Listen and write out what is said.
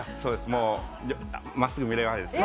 もうまっすぐ見れないです。